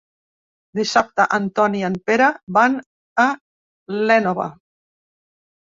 Dissabte en Ton i en Pere van a l'Énova.